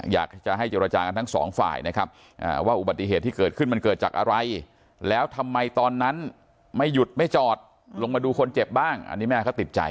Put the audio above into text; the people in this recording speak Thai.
อยากจะให้เจรจากันทั้งสองฝ่ายนะครับว่าอุบัติเหตุที่เกิดขึ้นมันเกิดจากอะไรแล้วทำไมตอนนั้นไม่หยุดไม่จอดลงมาดูคนเจ็บบ้างอันนี้แม่เขาติดใจ